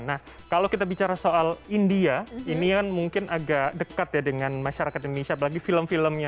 nah kalau kita bicara soal india ini kan mungkin agak dekat ya dengan masyarakat indonesia apalagi film filmnya